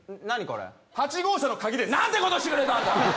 これ８号車のカギです何てことしてくれたんだ